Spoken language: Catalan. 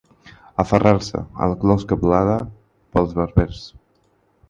Aferrar-se a la closca pelada pels barbers.